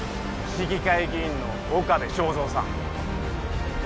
市議会議員の岡部正三さん